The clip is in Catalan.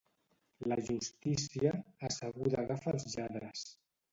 La justícia, asseguda agafa els lladres.